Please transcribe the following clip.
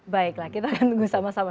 baiklah kita akan tunggu sama sama